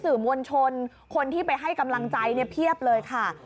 สื่อมวลชนคนที่ไปให้กำลังใจเนี่ยเพียบเลยค่ะ